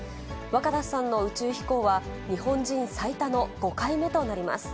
若田さんの宇宙飛行は、日本人最多の５回目となります。